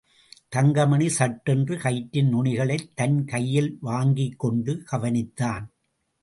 தங்கமணி சட்டென்று கயிற்றின் நுனிகளைத் தன் கையில் வாங்கிக கொண்டு கவனித்தான்.